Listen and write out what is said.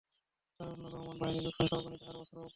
কারণ রোমান বাহিনীর লোকসংখ্যা অগণিত আর অস্ত্র অপরিসীম।